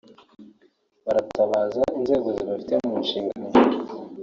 baratabaza inzego zibafite mu nshingano